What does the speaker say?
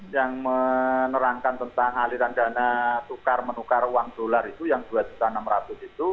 yang menerangkan tentang aliran dana tukar menukar uang dolar itu yang rp dua enam ratus itu